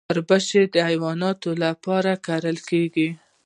وربشې د حیواناتو لپاره کرل کیږي.